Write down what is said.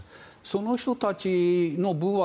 その人たちの分は。